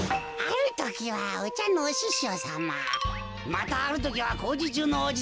またあるときはこうじちゅうのおじさん。